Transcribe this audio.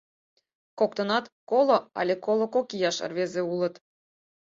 Коктынат коло але коло кок ияш рвезе улыт.